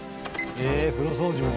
えっ風呂掃除も？